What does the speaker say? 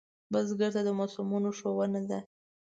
بزګر ته د موسمونو ښوونه ده